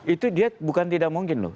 itu dia bukan tidak mungkin loh